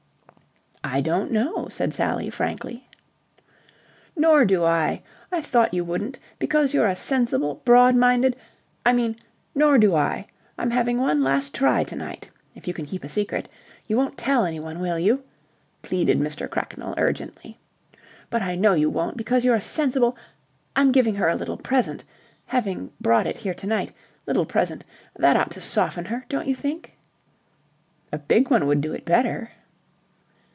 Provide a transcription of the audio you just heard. "I don't know," said Sally, frankly. "Nor do I. I thought you wouldn't, because you're a sensible, broad minded... I mean, nor do I. I'm having one last try to night, if you can keep a secret. You won't tell anyone, will you?" pleaded Mr. Cracknell, urgently. "But I know you won't because you're a sensible... I'm giving her a little present. Having it brought here to night. Little present. That ought to soften her, don't you think?" "A big one would do it better."